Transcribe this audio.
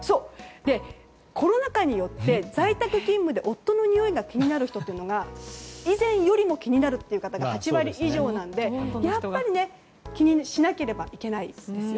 コロナ禍によって在宅勤務で夫のにおいが以前よりも気になる方が８割以上なのでやっぱり気にしなければいけないんですよ。